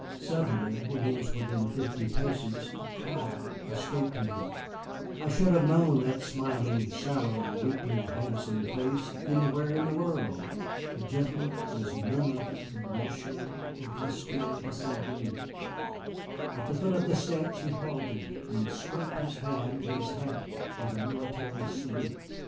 Suddenly, when he was within fifty paces, a cry escaped me, I should have known that smiling, sallow, weakly handsome face anywhere in the world. The gentleman was none other than Monsieur Auguste de St. Gré. At the foot of the steps he halted and swept his hand to his hat with a military salute.